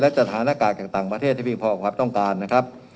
และจัดหาระกาศจากต่างประเทศที่มีพอของความต้องการนะครับ